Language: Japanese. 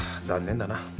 残念だな。